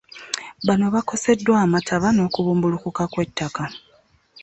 Bano baakoseddwa amaba n'okubumbulukuka kw'ettaka